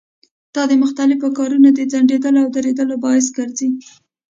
دا د مختلفو کارونو د ځنډېدلو او درېدلو باعث ګرځي.